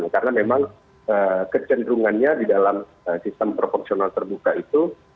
karena memang kecenderungannya di dalam sistem proporsional terbuka itu